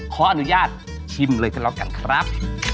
ขออนุญาตชิมเลยก็แล้วกันครับ